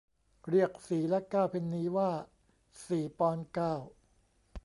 เรียกสี่และเก้าเพนนีว่าสี่ปอนด์เก้า